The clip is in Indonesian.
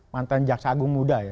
mantan jaksa agung muda ya